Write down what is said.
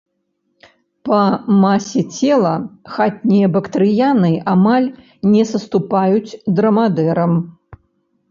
Па масе цела хатнія бактрыяны амаль не саступаюць драмадэрам.